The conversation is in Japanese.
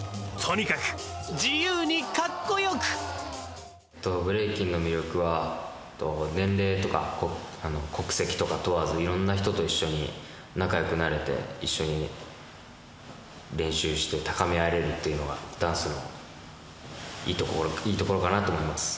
とにかく自由にかっこよくブレイキンの魅力は年齢とか国籍とか問わずいろんな人と一緒に仲よくなれて一緒に練習して高め合えるっていうのがダンスのいいところかなと思います。